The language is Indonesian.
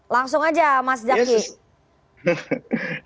langsung aja mas zaki